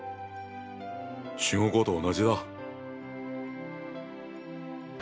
中国語と同じだ。